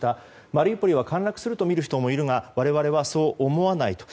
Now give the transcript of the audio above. マリウポリは陥落するとみる人もいるが我々はそう思わないと。